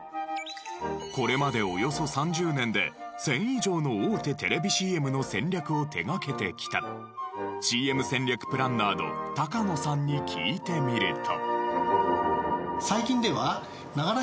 これまでおよそ３０年で１０００以上の大手テレビＣＭの戦略を手掛けてきたＣＭ戦略プランナーの鷹野さんに聞いてみると。